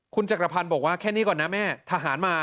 คุณจักรพันธ์บอกว่าแค่นี้ก่อนนะแม่ทหารมา